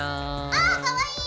あかわいい！